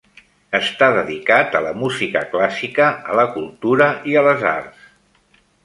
Està dedicat a la música clàssica, a la cultura i a les arts.